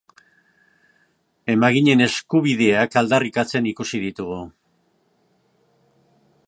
Emaginen eskubiak aldarrikatzen ikusi ditugu.